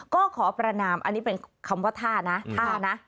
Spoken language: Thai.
ก็ขอประนามอันนี้เป็นคำว่าท่านะท่านะ